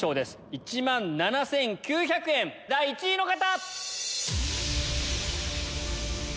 １万７９００円第１位の方！